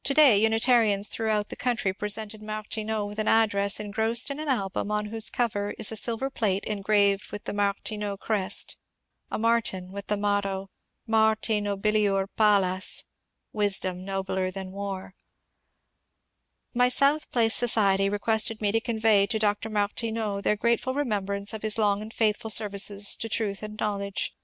MARnNEAITS NINETIETH BIRTHDAY 406 To day Unitarians throughout the country presented Mar tineau with an address engrossed in an album on whose cover is a silver plate engraved with the Martineau crest, — a Mar tin; with the motto, ^^ Marte nobilior Pallcts^^ (Wisdom nobler than War), My South Place society requested me to convey to Dr. Martineau ^^ their grateful remembrance of his long and faith ful services to truth and knowledge.